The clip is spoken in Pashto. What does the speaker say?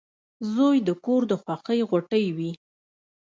• زوی د کور د خوښۍ غوټۍ وي.